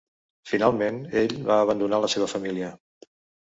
Finalment ell va abandonar a la seva família.